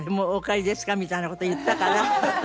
みたいな事を言ったから。